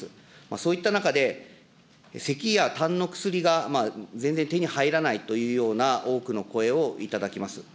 そういった中で、せきやたんの薬が全然手に入らないというような多くの声を頂きます。